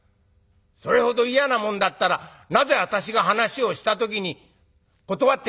それほど嫌なもんだったらなぜ私が話をした時に断ってくれなかったんだ！